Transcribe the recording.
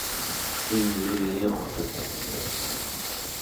ingluliurtut